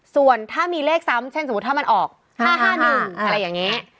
ส่วนถ้ามีเลขซ้ำเช่นสมมุติถ้ามันออก๕๕๑อะไรอย่างนี้